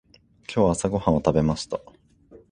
今日朝ごはんを食べました。